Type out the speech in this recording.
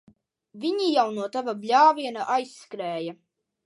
Viņi jau no tava bļāviena aizskrēja.